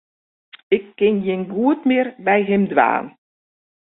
Ik kin gjin goed mear by him dwaan.